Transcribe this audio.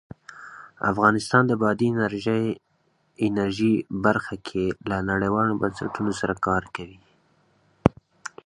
افغانستان د بادي انرژي برخه کې له نړیوالو بنسټونو سره کار کوي.